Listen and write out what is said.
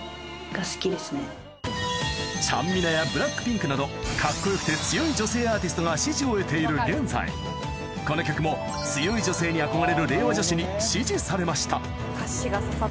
だと思う。などカッコよくて強い女性アーティストが支持を得ている現在この曲も強い女性に憧れる令和女子に支持されました